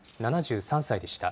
７３歳でした。